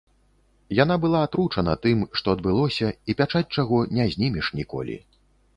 Яна была атручана тым, што адбылося і пячаць чаго не знімеш ніколі.